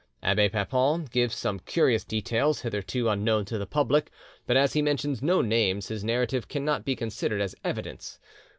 Abbe Papon gives some curious details, hitherto unknown to the public, but as he mentions no names his narrative cannot be considered as evidence.